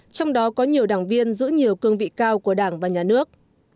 trong đó có nhiều đảng viên giữ nhiều cương vị cao của đảng và nhà nước